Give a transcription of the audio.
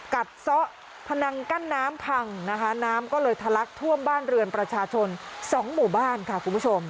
ซะพนังกั้นน้ำพังนะคะน้ำก็เลยทะลักท่วมบ้านเรือนประชาชนสองหมู่บ้านค่ะคุณผู้ชม